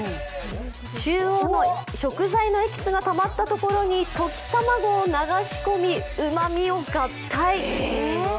中央の食材のエキスがたまったところに溶き卵を流し込みうまみを合体。